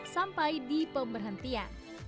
sampai di pemberhentian